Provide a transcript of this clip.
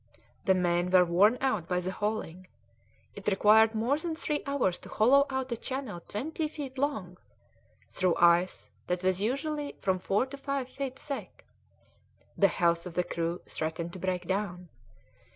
The men were worn out by the hauling; it required more than three hours to hollow out a channel twenty feet long, through ice that was usually from four to five feet thick. The health of the crew threatened to break down.